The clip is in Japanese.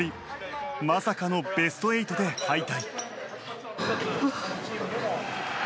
まさかのベスト８で敗退。